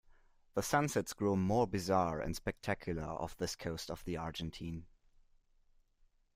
The sunsets grow more bizarre and spectacular off this coast of the Argentine.